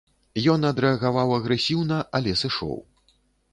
Ён адрэагаваў агрэсіўна, але сышоў.